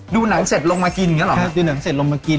ดูหนังเสร็จลงมากินอย่างนี้หรอ